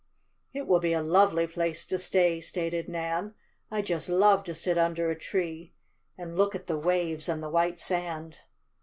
"It will be a lovely place to stay," stated Nan. "I just love to sit under a tree, and look at the waves and the white sand."